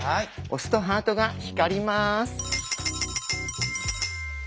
押すとハートが光ります。